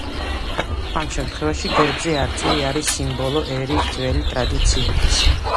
ამ შემთხვევში გერბზე არწივი არის სიმბოლო ერის ძველი ტრადიციებისა.